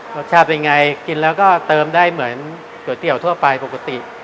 รสชาติเป็นไงกินแล้วก็เติมได้เหมือนก๋วยเตี๋ยวทั่วไปปกติ